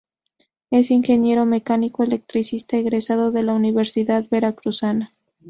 Es Ingeniero Mecánico Electricista egresado de la Universidad Veracruzana.